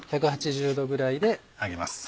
１８０℃ぐらいで揚げます。